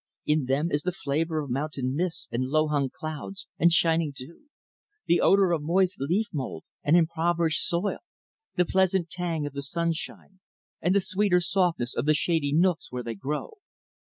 In them is the flavor of mountain mists, and low hung clouds, and shining dew; the odor of moist leaf mould, and unimpoverished soil; the pleasant tang of the sunshine; and the softer sweetness of the shady nooks where they grow.